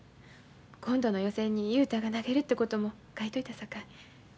今度の予選に雄太が投げるってことも書いといたさかい。